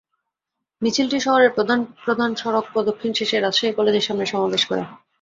মিছিলটি শহরের প্রধান প্রধান সড়ক প্রদক্ষিণ শেষে রাজশাহী কলেজের সামনে সমাবেশ করে।